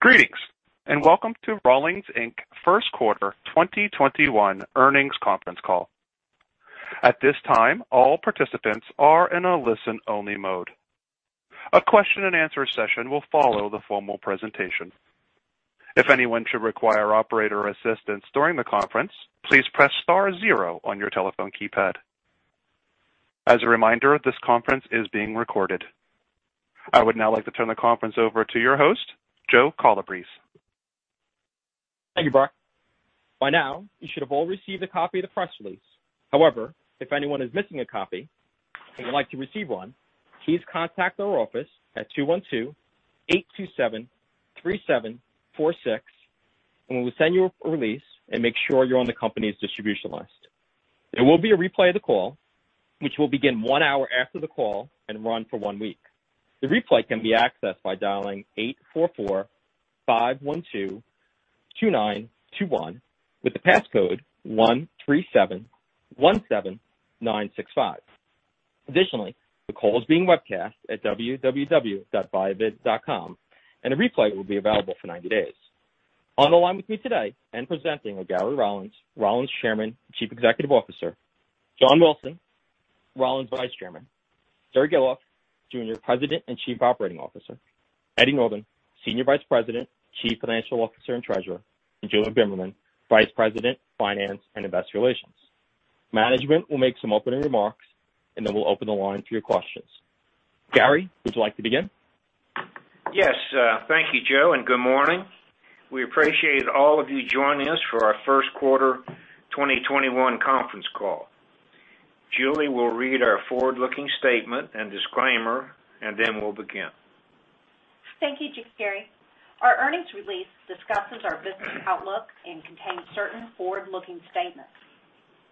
Greetings, and welcome to Rollins, Inc.'s first quarter 2021 earnings conference call. At this time, all participants are in a listen-only mode. A question and answer session will follow the formal presentation. If anyone should require operator assistance during the conference, please press star zero on your telephone keypad. As a reminder, this conference is being recorded. I would now like to turn the conference over to your host, Joe Calabrese. Thank you, Bart. By now, you should have all received a copy of the press release. However, if anyone is missing a copy and would like to receive one, please contact our office at 212-827-3746, and we will send you a release and make sure you're on the company's distribution list. There will be a replay of the call, which will begin one hour after the call and run for one week. The replay can be accessed by dialing 844-512-2921 with the passcode 13717965. Additionally, the call is being webcast at www.viavid.com, and a replay will be available for 90 days. On the line with me today and presenting is Gary Rollins, Chairman and Chief Executive Officer. John Wilson, Rollins Vice Chairman. Jerry Gahlhoff, Jr., President and Chief Operating Officer. Eddie Northen, Senior Vice President, Chief Financial Officer, and Treasurer, and Julie Bimmerman, Vice President, Finance and Investor Relations. Management will make some opening remarks, and then we'll open the line for your questions. Gary, would you like to begin? Yes. Thank you, Joe, and good morning. We appreciate all of you joining us for our first quarter 2021 conference call. Julie will read our forward-looking statement and disclaimer, and then we'll begin. Thank you, Gary. Our earnings release discusses our business outlook and contains certain forward-looking statements.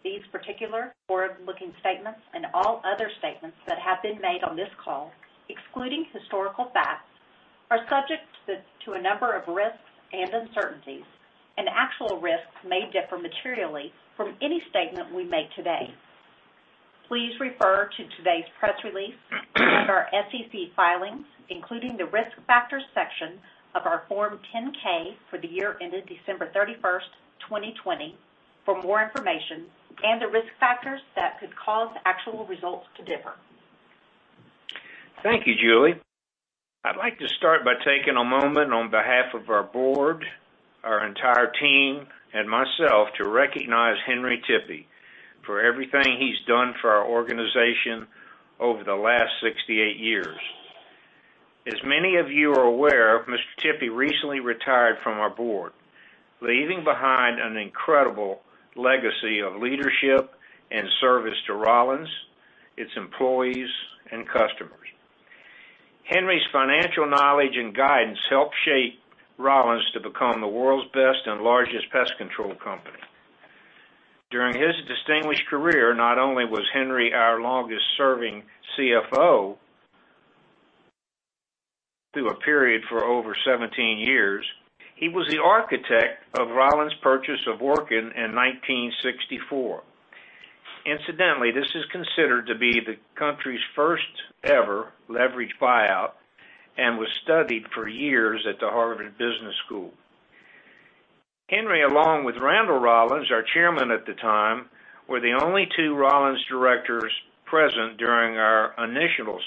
These particular forward-looking statements, and all other statements that have been made on this call, excluding historical facts, are subject to a number of risks and uncertainties, and actual risks may differ materially from any statement we make today. Please refer to today's press release and our SEC filings, including the Risk Factors section of our Form 10-K for the year ended December 31st, 2020, for more information and the risk factors that could cause actual results to differ. Thank you, Julie. I'd like to start by taking a moment on behalf of our board, our entire team, and myself to recognize Henry Tippie for everything he's done for our organization over the last 68 years. As many of you are aware, Mr. Tippie recently retired from our board, leaving behind an incredible legacy of leadership and service to Rollins, its employees, and customers. Henry's financial knowledge and guidance helped shape Rollins to become the world's best and largest pest control company. During his distinguished career, not only was Henry our longest-serving CFO, through a period of over 17 years, he was the architect of Rollins' purchase of Orkin in 1964. Incidentally, this is considered to be the country's first-ever leveraged buyout and was studied for years at the Harvard Business School. Henry, along with Randall Rollins, our Chairman at the time, were the only two Rollins directors present during our initial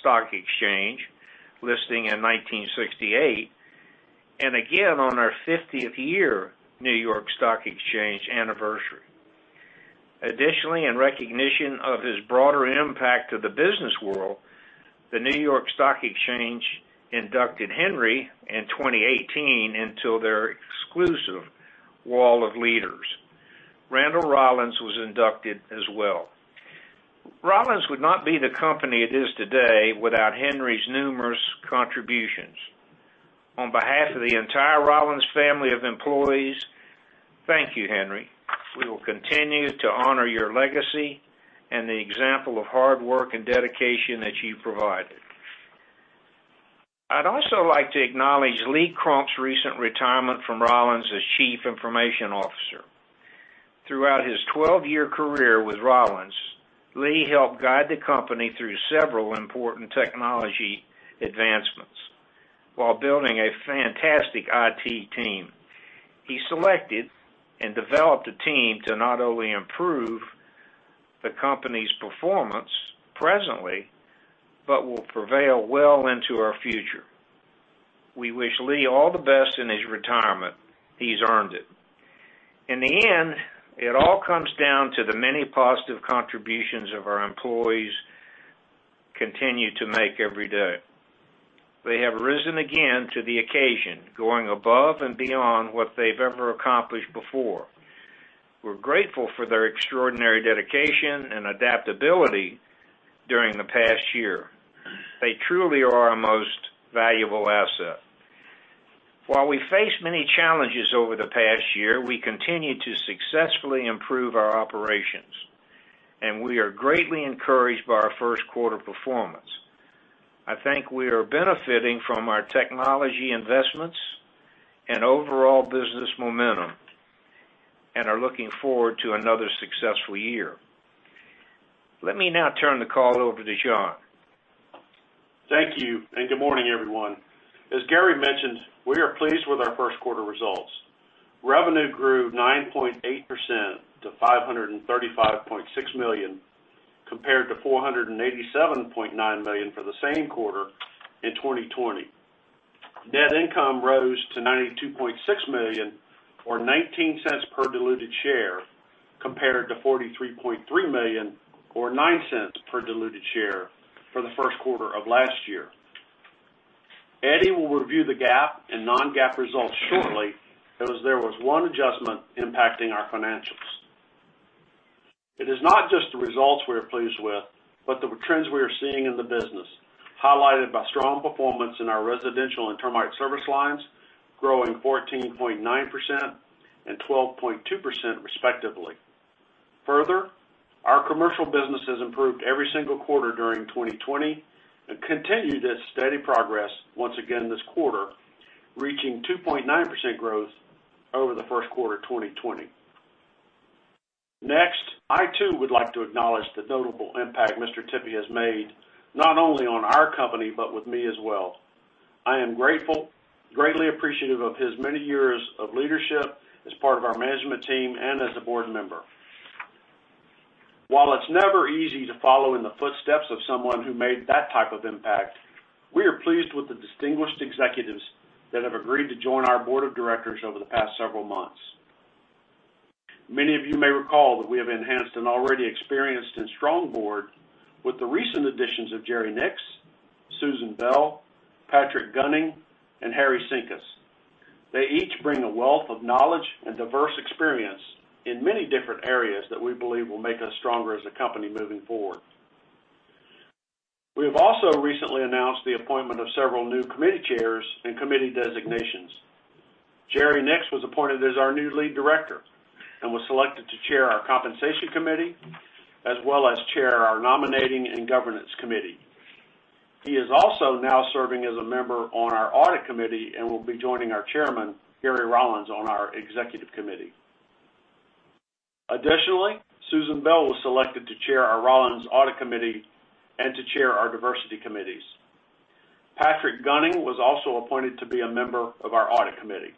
stock exchange listing in 1968, and again on our 50th-year New York Stock Exchange Anniversary. Additionally, in recognition of his broader impact on the business world, the New York Stock Exchange inducted Henry in 2018 into their exclusive Wall of Innovators. Randall Rollins was inducted as well. Rollins would not be the company it is today without Henry's numerous contributions. On behalf of the entire Rollins family of employees, thank you, Henry. We will continue to honor your legacy and the example of hard work and dedication that you provided. I'd also like to acknowledge Lee Crump's recent retirement from Rollins as Chief Information Officer. Throughout his 12-year career with Rollins, Lee helped guide the company through several important technology advancements while building a fantastic IT team. He selected and developed a team to not only improve the company's performance presently but also prevail well into our future. We wish Lee all the best in his retirement. He's earned it. In the end, it all comes down to the many positive contributions our employees continue to make every day. They have risen again to the occasion, going above and beyond what they've ever accomplished before. We're grateful for their extraordinary dedication and adaptability during the past year. They truly are our most valuable asset. While we faced many challenges over the past year, we continue to successfully improve our operations, and we are greatly encouraged by our first-quarter performance. I think we are benefiting from our technology investments and overall business momentum and are looking forward to another successful year. Let me now turn the call over to John. Thank you. Good morning, everyone. As Gary mentioned, we are pleased with our first quarter results. Revenue grew 9.8% to $535.6 million, compared to $487.9 million for the same quarter in 2020. Net income rose to $92.6 million or $0.19 per diluted share, compared to $43.3 million or $0.09 per diluted share for the first quarter of last year. Eddie will review the GAAP and non-GAAP results shortly, as there was one adjustment impacting our financials. It is not just the results we are pleased with, but the trends we are seeing in the business, highlighted by strong performance in our residential and termite service lines, growing 14.9% and 12.2%, respectively. Further, our commercial business has improved every single quarter during 2020 and continued its steady progress once again this quarter, reaching 2.9% growth over the first quarter of 2020. Next, I too would like to acknowledge the notable impact Mr. Tippie has made, not only on our company, but with me as well. I am grateful and greatly appreciative of his many years of leadership as part of our management team and as a Board Member. While it's never easy to follow in the footsteps of someone who made that type of impact, we are pleased with the distinguished executives that have agreed to join our Board of Directors over the past several months. Many of you may recall that we have enhanced an already experienced and strong board with the recent additions of Jerry Nix, Susan Bell, Patrick Gunning, and Harry Cynkus. They each bring a wealth of knowledge and diverse experience in many different areas that we believe will make us stronger as a company moving forward. We have also recently announced the appointment of several new Committee Chairs and Committee Designations. Jerry Nix was appointed as our new Lead Director and was selected to chair our Compensation Committee, as well as chair our Nominating and Governance Committee. He is also now serving as a member on our Audit Committee and will be joining our Chairman, Gary Rollins, on our Executive Committee. Additionally, Susan Bell was selected to chair our Rollins Audit Committee and to chair our Diversity Committees. Patrick Gunning was also appointed to be a member of our Audit Committee.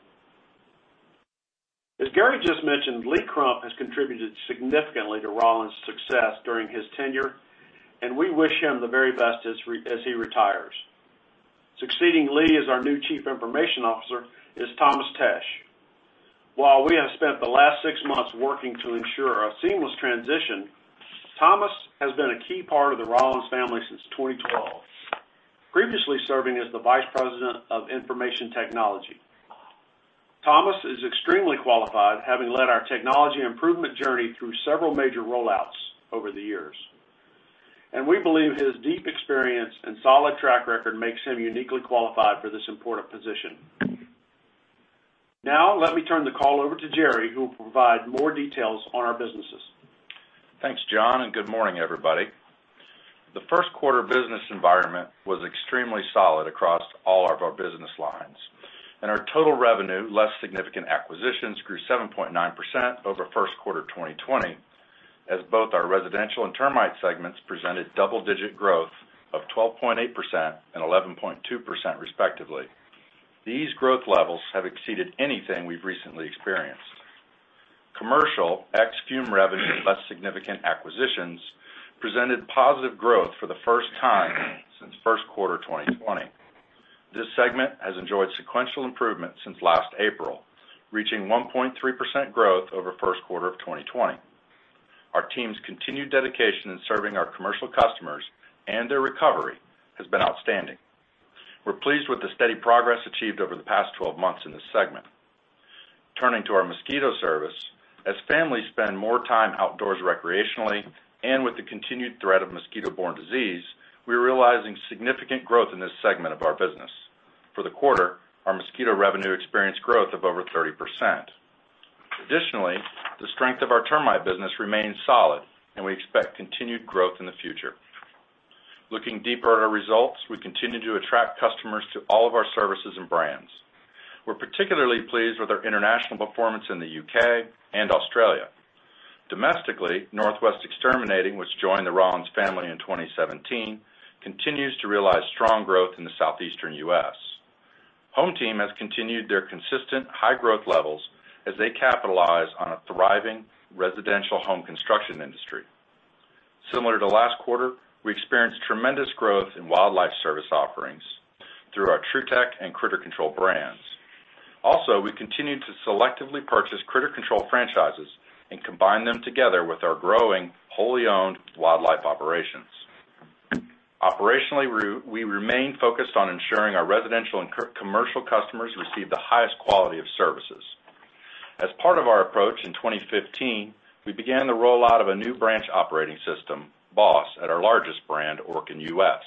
As Gary just mentioned, Lee Crump has contributed significantly to Rollins' success during his tenure, and we wish him the very best as he retires. Succeeding Lee as our new Chief Information Officer is Thomas Tesh. While we have spent the last six months working to ensure a seamless transition, Thomas has been a key part of the Rollins family since 2012, previously serving as the Vice President of Information Technology. Thomas is extremely qualified, having led our technology improvement journey through several major rollouts over the years. We believe his deep experience and solid track record make him uniquely qualified for this important position. Now, let me turn the call over to Jerry, who will provide more details on our businesses. Thanks, John, and good morning, everybody. The first-quarter business environment was extremely solid across all of our business lines, and our total revenue, less significant acquisitions, grew 7.9% over the first quarter of 2020, as both our residential and termite segments presented double-digit growth of 12.8% and 11.2%, respectively. These growth levels have exceeded anything we've recently experienced. Commercial ex-fume revenue and less significant acquisitions presented positive growth for the first time since the first quarter of 2020. This segment has enjoyed sequential improvement since last April, reaching 1.3% growth over the first quarter of 2020. Our team's continued dedication in serving our commercial customers and their recovery has been outstanding. We're pleased with the steady progress achieved over the past 12 months in this segment. Turning to our mosquito service, as families spend more time outdoors recreationally and with the continued threat of mosquito-borne disease, we're realizing significant growth in this segment of our business. For the quarter, our mosquito revenue experienced growth of over 30%. The strength of our termite business remains solid, and we expect continued growth in the future. Looking deeper at our results, we continue to attract customers to all of our services and brands. We're particularly pleased with our international performance in the U.K. and Australia. Domestically, Northwest Exterminating, which joined the Rollins family in 2017, continues to realize strong growth in the Southeastern U.S. HomeTeam has continued their consistent high growth levels as they capitalize on a thriving residential home construction industry. Similar to last quarter, we experienced tremendous growth in wildlife service offerings through our Trutech and Critter Control brands. Also, we continued to selectively purchase Critter Control franchises and combine them with our growing wholly-owned wildlife operations. Operationally, we remain focused on ensuring our residential and commercial customers receive the highest quality of services. As part of our approach in 2015, we began the rollout of a new branch operating system, BOSS, at our largest brand, Orkin U.S.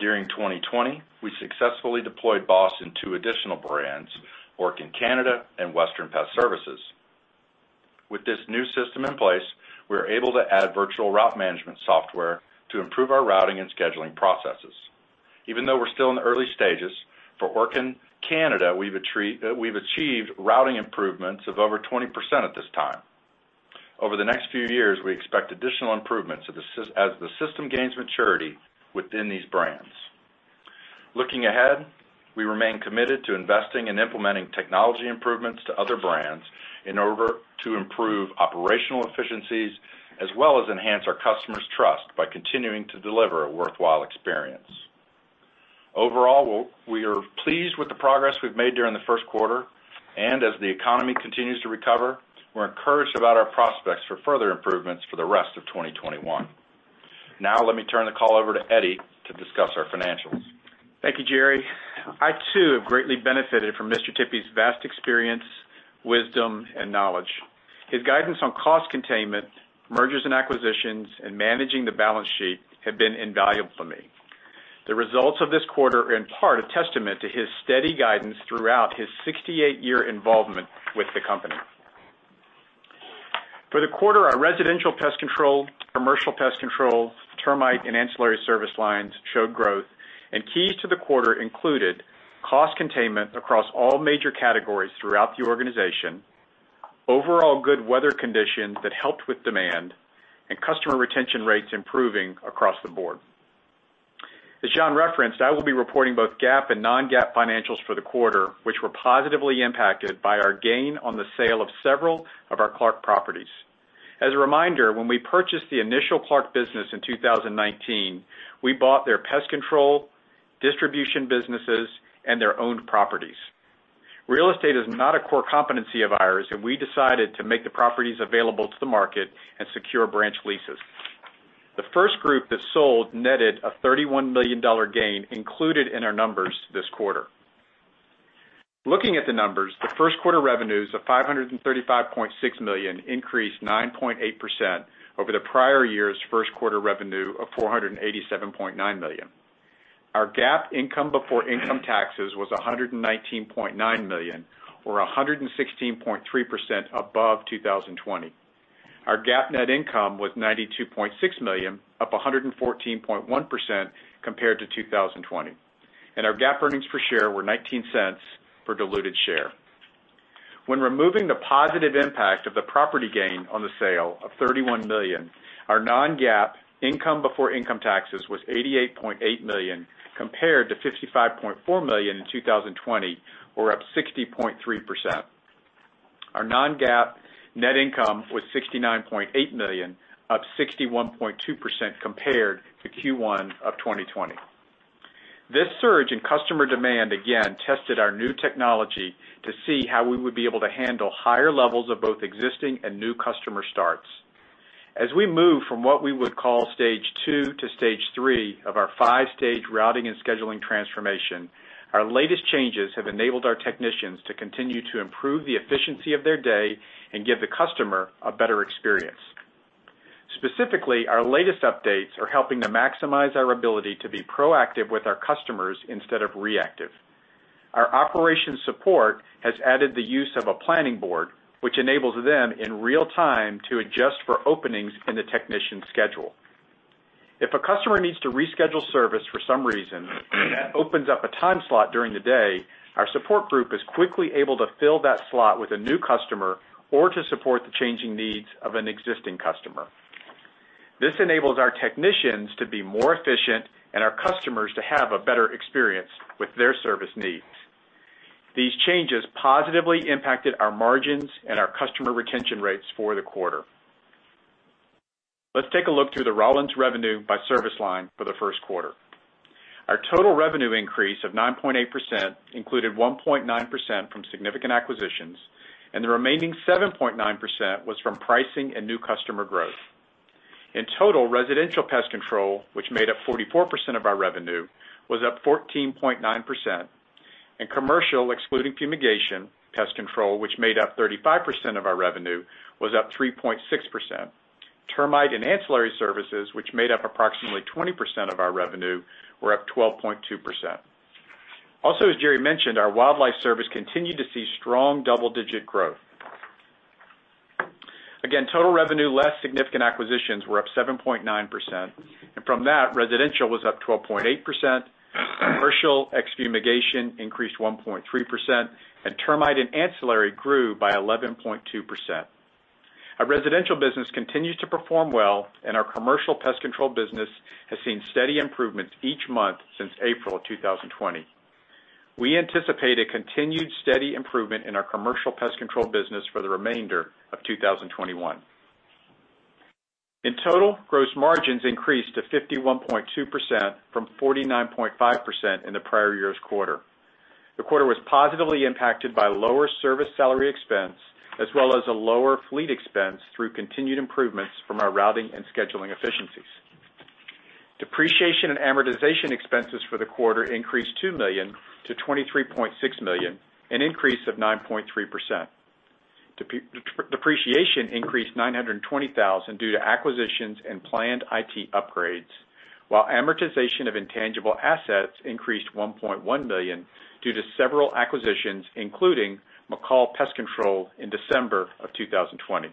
During 2020, we successfully deployed BOSS in two additional brands, Orkin Canada and Western Pest Services. With this new system in place, we are able to add virtual route management software to improve our routing and scheduling processes. Even though we're still in the early stages, for Orkin Canada, we've achieved routing improvements of over 20% at this time. Over the next few years, we expect additional improvements as the system gains maturity within these brands. Looking ahead, we remain committed to investing in implementing technology improvements to other brands in order to improve operational efficiencies, as well as enhance our customers' trust by continuing to deliver a worthwhile experience. Overall, we are pleased with the progress we've made during the first quarter, and as the economy continues to recover, we're encouraged about our prospects for further improvements for the rest of 2021. Now let me turn the call over to Eddie to discuss our financials. Thank you, Jerry. I too have greatly benefited from Mr. Tippie's vast experience, wisdom, and knowledge. His guidance on cost containment, mergers and acquisitions, and managing the balance sheet have been invaluable to me. The results of this quarter are in part a testament to his steady guidance throughout his 68-year involvement with the company. For the quarter, our residential pest control, commercial pest control, termite, and ancillary service lines showed growth. Keys to the quarter included cost containment across all major categories throughout the organization, overall good weather conditions that helped with demand, and customer retention rates improving across the board. As John referenced, I will be reporting both GAAP and non-GAAP financials for the quarter, which were positively impacted by our gain on the sale of several of our Clark properties. As a reminder, when we purchased the initial Clark business in 2019, we bought their pest control and distribution businesses and their owned properties. Real estate is not a core competency of ours; we decided to make the properties available to the market and secure branch leases. The first group that sold netted a $31 million gain included in our numbers this quarter. Looking at the numbers, the first quarter revenues of $535.6 million increased 9.8% over the prior year's first quarter revenue of $487.9 million. Our GAAP income before income taxes was $119.9 million, or 116.3% above 2020. Our GAAP net income was $92.6 million, up 114.1% compared to 2020. Our GAAP earnings per share were $0.19 per diluted share. When removing the positive impact of the property gain on the sale of $31 million, our non-GAAP income before income taxes was $88.8 million compared to $55.4 million in 2020, or up 60.3%. Our non-GAAP net income was $69.8 million, up 61.2% compared to Q1 of 2020. This surge in customer demand again tested our new technology to see how we would be able to handle higher levels of both existing and new customer starts. As we move from what we would call Stage 2-Stage 3 of our five-stage routing and scheduling transformation, our latest changes have enabled our technicians to continue to improve the efficiency of their day and give the customer a better experience. Specifically, our latest updates are helping to maximize our ability to be proactive with our customers instead of reactive. Our operations support has added the use of a planning board, which enables them in real time to adjust for openings in the technician's schedule. If a customer needs to reschedule service for some reason and that opens up a time slot during the day, our support group is quickly able to fill that slot with a new customer or to support the changing needs of an existing customer. This enables our technicians to be more efficient and our customers to have a better experience with their service needs. These changes positively impacted our margins and our customer retention rates for the quarter. Let's take a look through the Rollins revenue by service line for the first quarter. Our total revenue increase of 9.8% included 1.9% from significant acquisitions, and the remaining 7.9% was from pricing and new customer growth. In total, residential pest control, which made up 44% of our revenue, was up 14.9%, and commercial, excluding fumigation pest control, which made up 35% of our revenue, was up 3.6%. Termite and ancillary services, which made up approximately 20% of our revenue, were up 12.2%. As Jerry mentioned, our wildlife service continued to see strong double-digit growth. Total revenue less significant acquisitions were up 7.9%, and from that, residential was up 12.8%, commercial ex-fumigation increased 1.3%, and termite and ancillary grew by 11.2%. Our residential business continues to perform well, and our commercial pest control business has seen steady improvements each month since April of 2020. We anticipate a continued steady improvement in our commercial pest control business for the remainder of 2021. In total, gross margins increased to 51.2% from 49.5% in the prior year's quarter. The quarter was positively impacted by lower service salary expense, as well as a lower fleet expense through continued improvements from our routing and scheduling efficiencies. Depreciation and amortization expenses for the quarter increased $2 million-$23.6 million, an increase of 9.3%. Depreciation increased $920,000 due to acquisitions and planned IT upgrades, while amortization of intangible assets increased $1.1 million due to several acquisitions, including McCall Service in December 2020.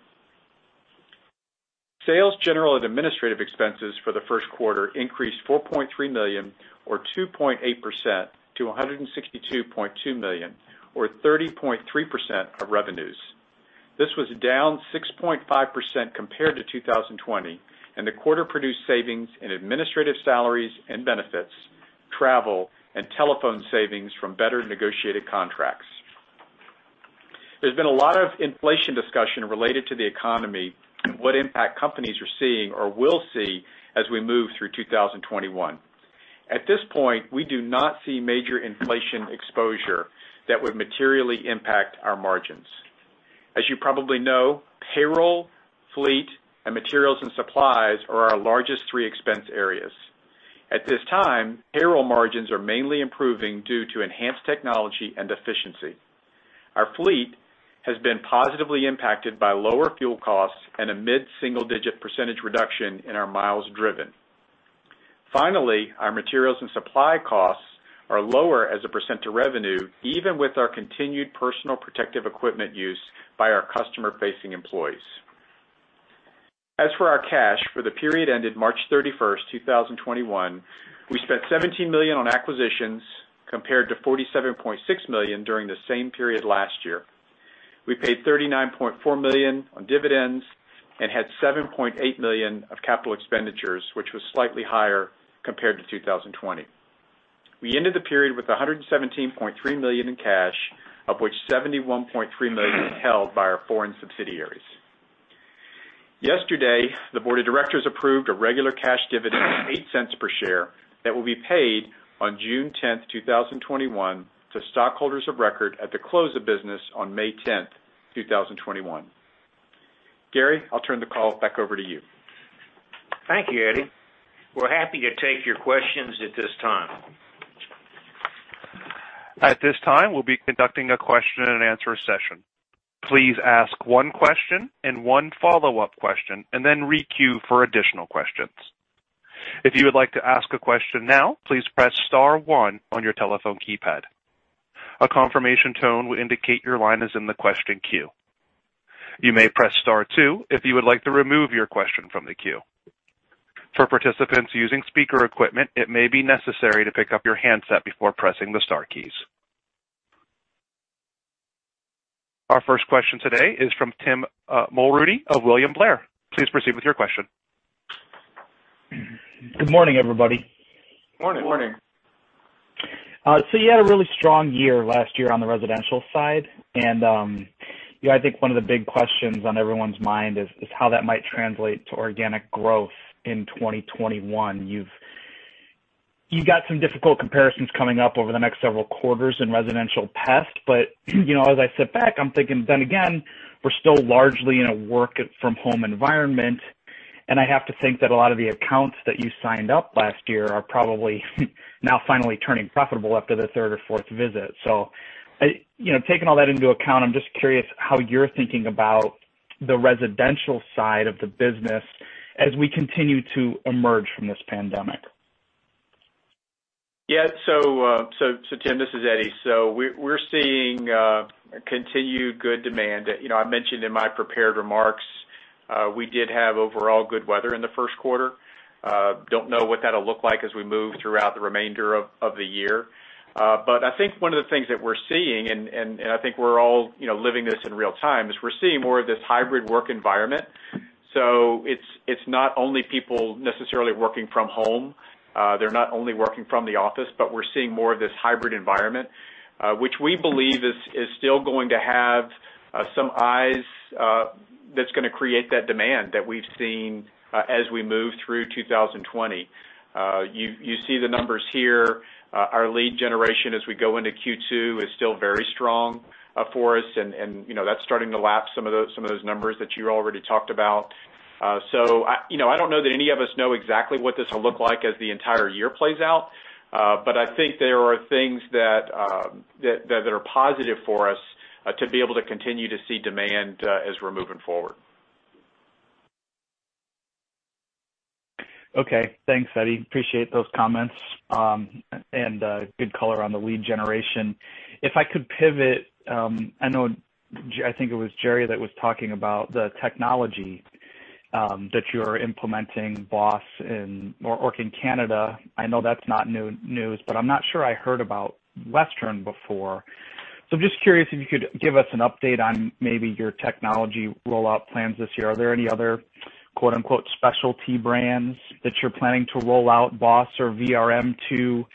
Sales, general, and administrative expenses for the first quarter increased $4.3 million, or 2.8%, to $162.2 million, or 30.3% of revenues. This was down 6.5% compared to 2020, and the quarter produced savings in administrative salaries and benefits and travel and telephone from better negotiated contracts. There's been a lot of inflation discussion related to the economy and what impact companies are seeing or will see as we move through 2021. At this point, we do not see major inflation exposure that would materially impact our margins. As you probably know, payroll, fleet, and materials and supplies are our largest three expense areas. At this time, payroll margins are mainly improving due to enhanced technology and efficiency. Our fleet has been positively impacted by lower fuel costs and a mid-single-digit percentage reduction in our miles driven. Finally, our materials and supply costs are lower as a percentage of revenue, even with our continued PPE use by our customer-facing employees. As for our cash for the period ended March 31st, 2021, we spent $17 million on acquisitions compared to $47.6 million during the same period last year. We paid $39.4 million on dividends and had $7.8 million of CapEx, which was slightly higher compared to 2020. We ended the period with $117.3 million in cash, of which $71.3 million is held by our foreign subsidiaries. Yesterday, the Board of Directors approved a regular cash dividend of $0.08 per share that will be paid on June 10th, 2021, to stockholders of record at the close of business on May 10th, 2021. Gary, I'll turn the call back over to you. Thank you, Eddie. We're happy to take your questions at this time. At this time, we'll be conducting a question and answer session. Please ask one question and one follow-up question, and then re-queue for additional questions. If you would like to ask a question now, please press star one on your telephone keypad. A confirmation tone will indicate your line is in the question queue. You may press star two if you would like to remove your question from the queue. For participants using speaker equipment, it may be necessary to pick up your handset before pressing the star keys. Our first question today is from Tim Mulrooney of William Blair. Please proceed with your question. Good morning, everybody. Morning. Morning. You had a really strong year last year on the residential side. I think one of the big questions on everyone's mind is how that might translate to organic growth in 2021. You've got some difficult comparisons coming up over the next several quarters in residential pest, but, as I sit back, I'm thinking, then again, we're still largely in a work-from-home environment, and I have to think that a lot of the accounts that you signed up last year are probably now finally turning profitable after the third or fourth visit. Taking all that into account, I'm just curious how you're thinking about the residential side of the business as we continue to emerge from this pandemic. Tim, this is Eddie. We're seeing continued good demand. I mentioned in my prepared remarks we did have overall good weather in the first quarter. Don't know what that'll look like as we move throughout the remainder of the year. I think one of the things that we're seeing, and I think we're all living this in real time, is we're seeing more of this hybrid work environment. It's not only people necessarily working from home; they're not only working from the office, but we're seeing more of this hybrid environment, which we believe is still going to have some upsides that are going to create that demand that we've seen as we move through 2020. You see the numbers here. Our lead generation as we go into Q2 is still very strong for us, and that's starting to lap some of those numbers that you already talked about. I don't know that any of us know exactly what this will look like as the entire year plays out. I think there are things that are positive for us, to be able to continue to see demand as we're moving forward. Okay. Thanks, Eddie. Appreciate those comments. Good color on the lead generation. If I could pivot, I think it was Jerry that was talking about the technology that you're implementing, BOSS or Orkin Canada. I know that's not news; I'm not sure I heard about Western before. I'm just curious if you could give us an update on maybe your technology rollout plans this year. Are there any other "specialty brands" that you're planning to roll out BOSS or VRM to?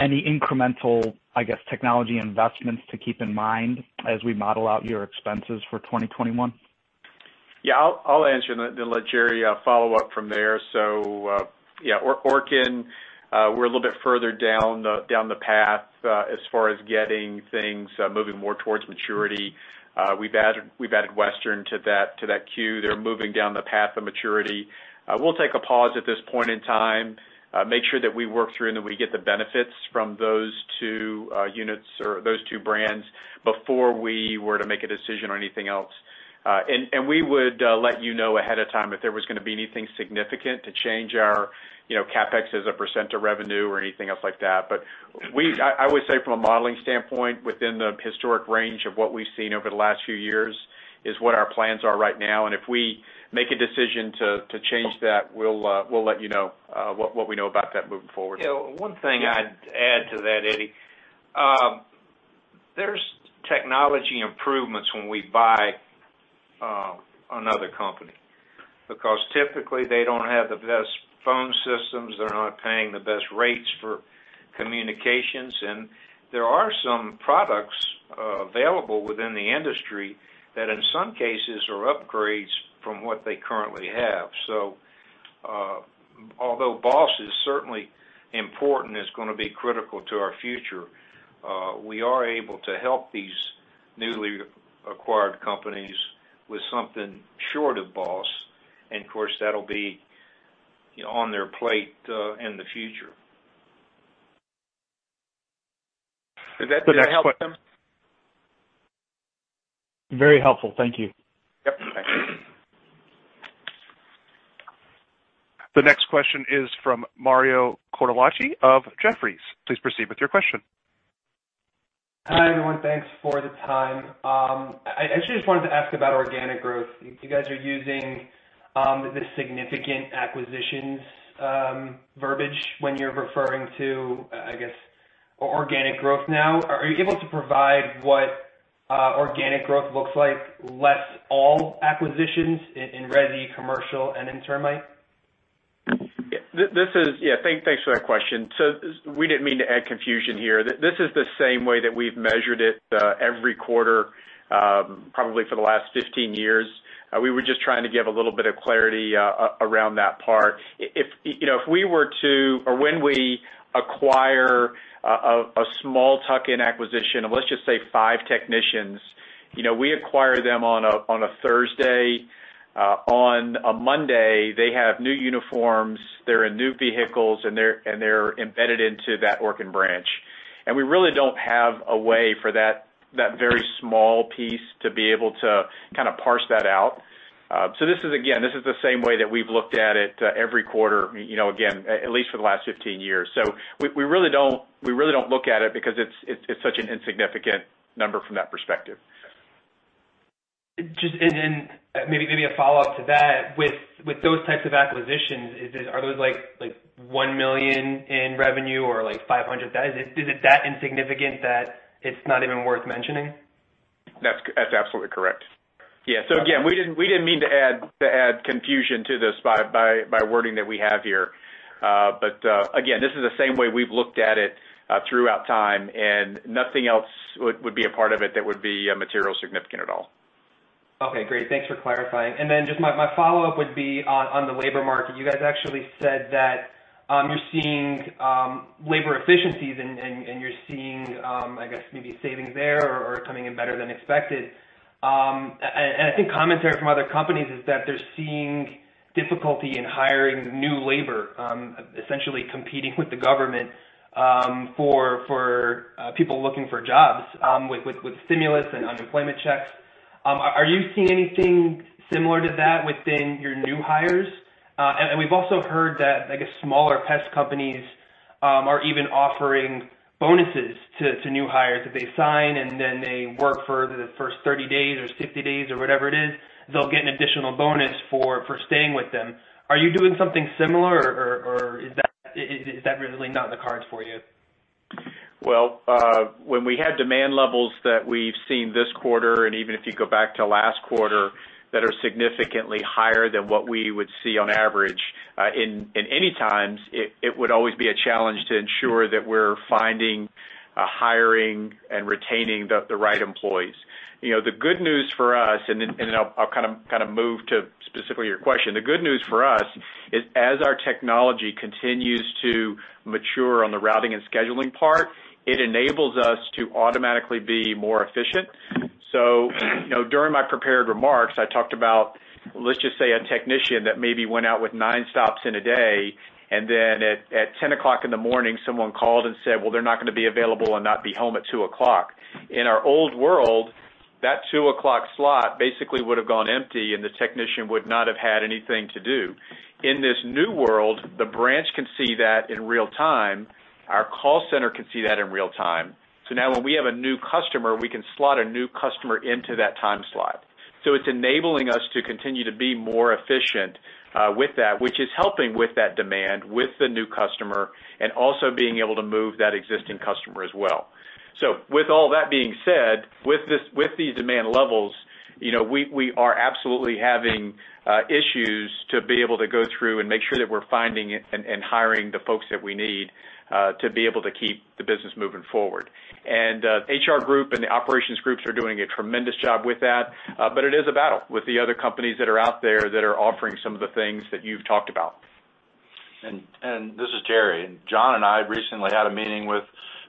Any incremental, I guess, technology investments to keep in mind as we model out your expenses for 2021? I'll answer and then let Jerry follow up from there. Orkin, we're a little bit further down the path as far as getting things moving more towards maturity. We've added Western to that queue. They're moving down the path of maturity. We'll take a pause at this point in time and make sure that we work through it and that we get the benefits from those two units or those two brands before we were to make a decision on anything else. We would let you know ahead of time if there was going to be anything significant to change our CapEx as a percent of revenue or anything else like that. I would say from a modeling standpoint, within the historic range of what we've seen over the last few years is what our plans are right now. If we make a decision to change that, we'll let you know what we know about that moving forward. One thing I'd add to that, Eddie. There are technology improvements when we buy another company because typically they don't have the best phone systems, they're not paying the best rates for communications, and there are some products available within the industry that, in some cases, are upgrades from what they currently have. Although BOSS is certainly important, it's going to be critical to our future. We are able to help these newly acquired companies with something short of BOSS. Of course, that'll be on their plate in the future. Does that help, Tim? Very helpful. Thank you. Yep. Thank you. The next question is from Mario Cortellacci of Jefferies. Please proceed with your question. Hi, everyone. Thanks for the time. I actually just wanted to ask about organic growth. You guys are using the significant acquisitions verbiage when you're referring to, I guess, organic growth now. Are you able to provide what organic growth looks like, less all acquisitions in Resi, commercial, and termite? Yeah, thanks for that question. We didn't mean to add confusion here. This is the same way that we've measured it every quarter, probably for the last 15 years. We were just trying to give a little bit of clarity around that part. If we were to acquire, or when we acquire, a small tuck-in acquisition of, let's just say, five technicians, we acquire them on a Thursday. On a Monday, they have new uniforms, they're in new vehicles, and they're embedded into that Orkin branch. We really don't have a way for that very small piece to be able to parse that out. This is, again, the same way that we've looked at it every quarter, again, at least for the last 15 years. We really don't look at it because it's such an insignificant number from that perspective. Just, maybe a follow-up to that. With those types of acquisitions, are those like $1 million in revenue or like $500,000? Is it that insignificant that it's not even worth mentioning? That's absolutely correct. Yeah. Again, we didn't mean to add confusion to this by the wording that we have here. Again, this is the same way we've looked at it throughout time, and nothing else would be a part of it that would be materially significant at all. Okay, great. Thanks for clarifying. My follow-up would be on the labor market. You guys actually said that you're seeing labor efficiencies and you're seeing, I guess, maybe savings there or coming in better than expected. I think commentary from other companies is that they're seeing difficulty in hiring new labor, essentially competing with the government for people looking for jobs with stimulus and unemployment checks. Are you seeing anything similar to that within your new hires? We've also heard that, I guess, smaller pest companies are even offering bonuses to new hires if they sign and then they work for the first 30 days or 60 days or whatever it is; they'll get an additional bonus for staying with them. Are you doing something similar, or is that really not in the cards for you? When we have demand levels that we've seen this quarter, and even if you go back to last quarter, that are significantly higher than what we would see on average in any times, it would always be a challenge to ensure that we're finding, hiring, and retaining the right employees. The good news for us, then I'll move to specifically your question. The good news for us is as our technology continues to mature on the routing and scheduling part, it enables us to automatically be more efficient. During my prepared remarks, I talked about, let's just say, a technician that maybe went out with nine stops in a day, and then at 10:00 A.M. someone called and said, Well, they're not going to be available and not be home at 2:00 P.M. In our old world, that two o'clock slot basically would have gone empty, and the technician would not have had anything to do. In this new world, the branch can see that in real-time. Our call center can see that in real-time. Now when we have a new customer, we can slot a new customer into that time slot. It's enabling us to continue to be more efficient with that, which is helping with that demand, with the new customer, and also being able to move that existing customer as well. With all that being said, with these demand levels, we are absolutely having issues being able to go through and make sure that we're finding and hiring the folks that we need to be able to keep the business moving forward. HR group and the operations groups are doing a tremendous job with that. It is a battle with the other companies that are out there that are offering some of the things that you've talked about. This is Jerry. John and I recently had a meeting with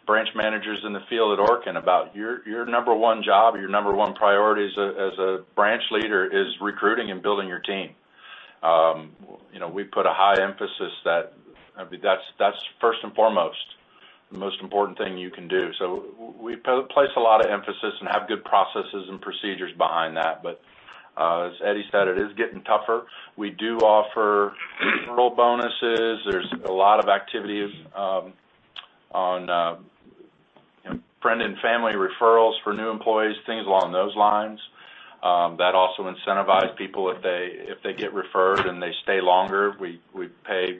branch managers in the field at Orkin about your number one job, or your number one priority as a branch leader, which is recruiting and building your team. We put a high emphasis That's first and foremost. The most important thing you can do. We place a lot of emphasis and have good processes and procedures behind that. As Eddie said, it is getting tougher. We do offer referral bonuses. There are a lot of activities on friend and family referrals for new employees, things along those lines, that also incentivize people if they get referred and they stay longer. We pay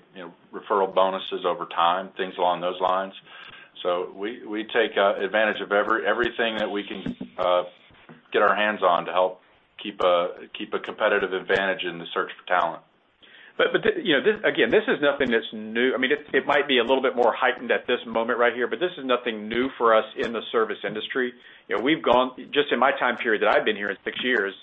referral bonuses over time and things along those lines. We take advantage of everything that we can get our hands on to help keep a competitive advantage in the search for talent. Again, this is nothing that's new. It might be a little bit more heightened at this moment right here, but this is nothing new for us in the service industry. Just in my time period that I've been here, in six years,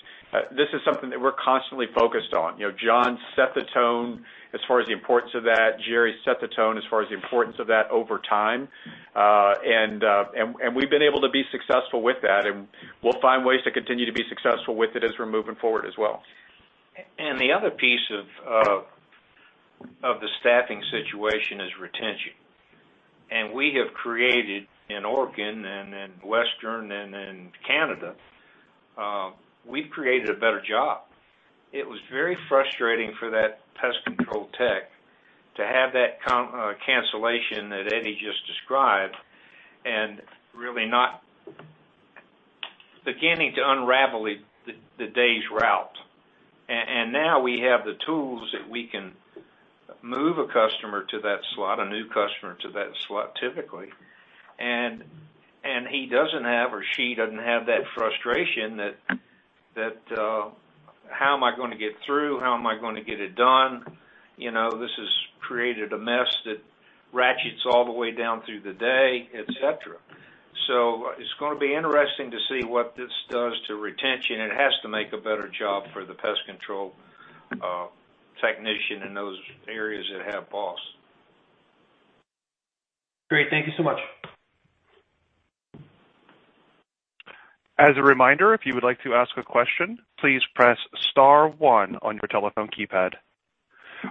this is something that we're constantly focused on. John set the tone as far as the importance of that. Jerry set the tone as far as the importance of that over time. We've been able to be successful with that, and we'll find ways to continue to be successful with it as we're moving forward as well. The other piece of the staffing situation is retention. We have created, in Orkin and in the West and in Canada, a better job. It was very frustrating for that pest control tech to have that cancellation that Eddie just described and really not begin to unravel the day's route. Now we have the tools that we can move a customer to that slot, a new customer to that slot, typically. He doesn't have or she doesn't have that frustration of, how am I going to get through? How am I going to get it done? This has created a mess that ratchets all the way down through the day, et cetera. It's going to be interesting to see what this does to retention. It has to make a better job for the pest control technician in those areas that have BOSS. Great. Thank you so much. As a reminder, if you would like to ask a question, please press star one on your telephone keypad.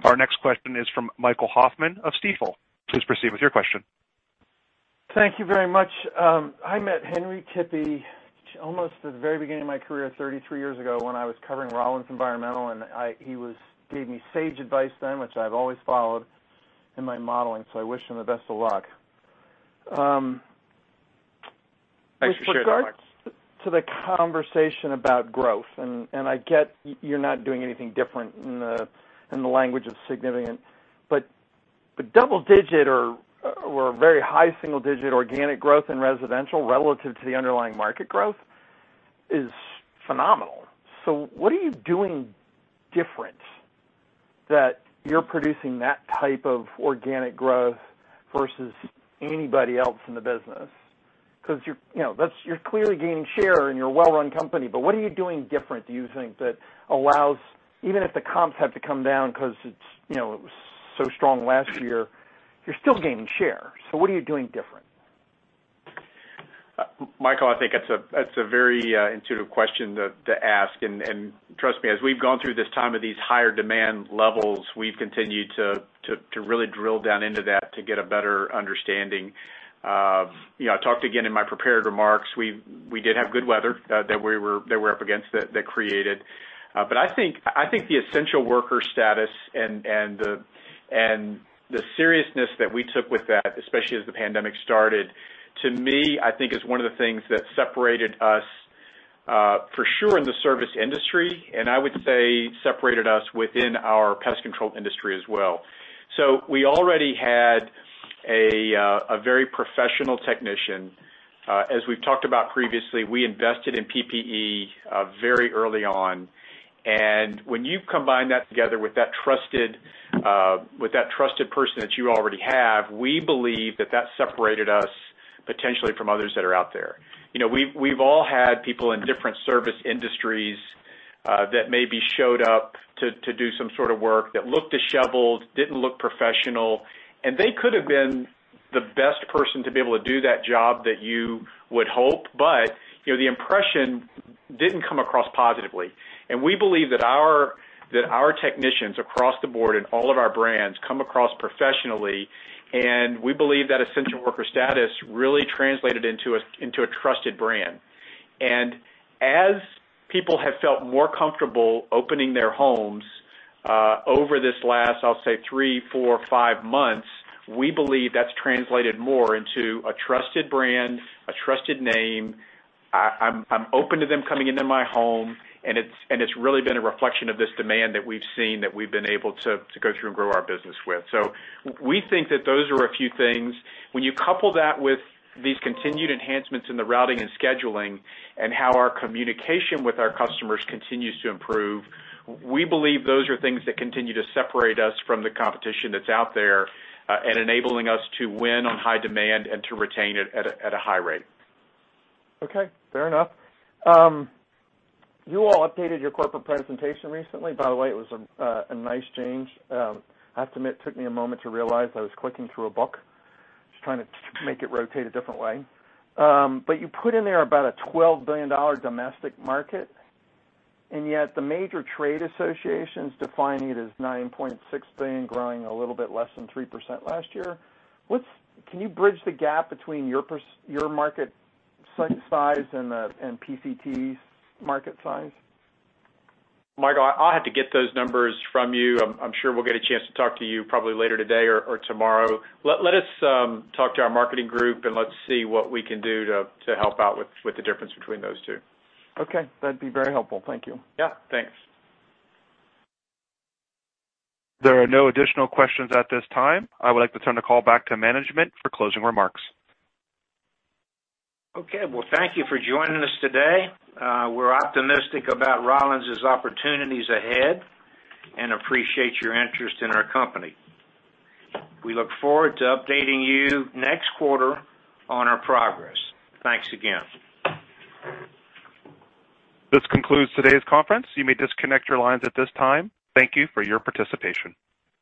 Our next question is from Michael Hoffman of Stifel. Please proceed with your question. Thank you very much. I met Henry Tippie almost at the very beginning of my career, 33 years ago, when I was covering Rollins Environmental. He gave me sage advice then, which I have always followed in my modeling. I wish him the best of luck. Thanks for sharing, Michael. With regard to the conversation about growth, I get you're not doing anything different in the language of significant, but double-digit or very high single-digit organic growth in residential relative to the underlying market growth is phenomenal. What are you doing differently that you're producing that type of organic growth versus anybody else in the business? You're clearly gaining share in your well-run company. What are you doing differently, do you think, that allows you to still gain share, even if the comps have to come down because they were so strong last year? What are you doing different? Michael, I think that's a very intuitive question to ask. Trust me, as we've gone through this time of these higher demand levels, we've continued to really drill down into that to get a better understanding. I talked again in my prepared remarks. We did have good weather; we're up against that that created it. I think the Essential Worker status and the seriousness that we took with that, especially as the pandemic started, to me, I think, is one of the things that separated us, for sure in the service industry, and I would say separated us Pest Control Industry as well. We already had a very professional technician. As we've talked about previously, we invested in PPE very early on. When you combine that with that trusted person that you already have, we believe that that separates us potentially from others that are out there. We've all had people in different service industries that maybe showed up to do some sort of work that looked disheveled and didn't look professional, and they could have been the best person to be able to do that job that you would hope for. The impression didn't come across positively. We believe that our technicians across the board in all of our brands come across professionally, and we believe that Essential Worker status really translated into a trusted brand. As people have felt more comfortable opening their homes over this last, I'll say, three, four, or five months, we believe that's translated more into a trusted brand, a trusted name. I'm open to them coming into my home. It's really been a reflection of this demand that we've seen, that we've been able to go through and grow our business with. We think that those are a few things. When you couple that with these continued enhancements in the routing and scheduling and how our communication with our customers continues to improve, we believe those are things that continue to separate us from the competition that's out there, enabling us to win on high demand and to retain it at a high rate. Okay. Fair enough. You all updated your corporate presentation recently. By the way, it was a nice change. I have to admit, it took me a moment to realize I was clicking through a book, just trying to make it rotate a different way. You put in there about a $12 billion Domestic Market, and yet the major trade associations are defining it as $9.6 billion, growing a little bit less than 3% last year. Can you bridge the gap between your market size and PCT's market size? Michael, I'll have to get those numbers from you. I'm sure we'll get a chance to talk to you probably later today or tomorrow. Let us talk to our Marketing Group, and let's see what we can do to help out with the difference between those two. Okay. That'd be very helpful. Thank you. Yeah. Thanks. There are no additional questions at this time. I would like to turn the call back to management for closing remarks. Okay. Well, thank you for joining us today. We're optimistic about Rollins' opportunities ahead and appreciate your interest in our company. We look forward to updating you next quarter on our progress. Thanks again. This concludes today's conference. You may disconnect your lines at this time. Thank you for your participation.